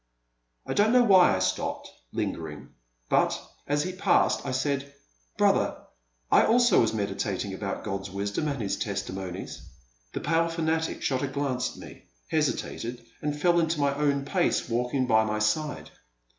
I don't know why I stopped, lingering, but, as he passed, I said, Brother, I also was meditating upon God*s wisdom and His testimonies.*' The pale fanatic shot a glance at me, hesitated, and fell into my own pace, walking by my side.